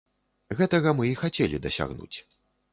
Гэтага мы і хацелі дасягнуць.